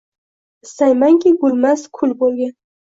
Istaymanki, gulmas, kul bo‘lgin